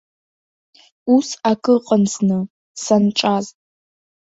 Ус ак ыҟан зны, санҿаз.